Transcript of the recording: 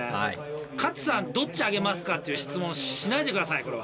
「ＫＡＴＳＵＯＮＥどっち上げますか？」っていう質問しないで下さいこれは。